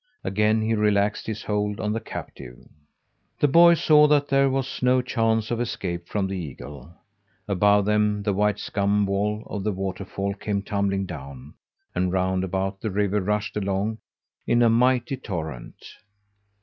Again he relaxed his hold on the captive. The boy saw that here there was no chance of escape from the eagle. Above them the white scum wall of the water fall came tumbling down, and round about the river rushed along in a mighty torrent.